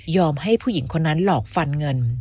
ให้ผู้หญิงคนนั้นหลอกฟันเงิน